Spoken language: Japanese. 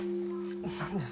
何です？